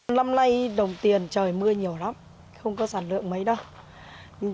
năm nay đồng tiền trời mưa nhiều lắm không có sản lượng mấy đâu